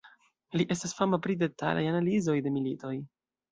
Li estas fama pri detalaj analizoj de militoj.